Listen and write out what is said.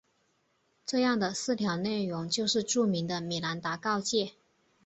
这样的四条内容就是著名的米兰达告诫。